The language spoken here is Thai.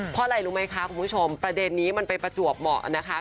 เพราะอะไรรู้ไหมคะคุณผู้ชมประเด็นนี้มันไปประจวบเหมาะนะคะ